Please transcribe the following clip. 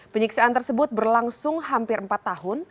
penyiksaan tersebut berlangsung hampir empat tahun